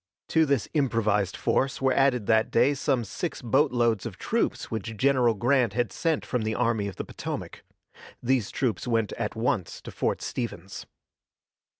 To this improvised force were added that day some six boatloads of troops which General Grant had sent from the Army of the Potomac. These troops went at once to Fort Stevens.